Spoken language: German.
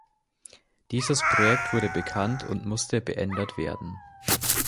Dieses Projekt wurde bekannt und musste beendet werden.